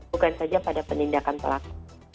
bukan saja pada penindakan pelaku